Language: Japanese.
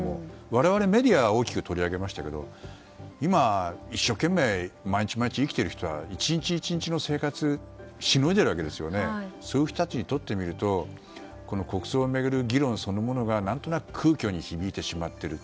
我々、メディアは大きく取り上げましたけど今、一生懸命毎日、生きている人は１日１日の生活をしのいでいるわけですよねそういう人たちにとってみると国葬を巡る議論そのものが何となく空虚に響いてしまっている。